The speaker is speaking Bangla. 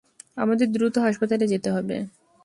আমাদের দ্রুত হাসপাতালে যেতে হবে!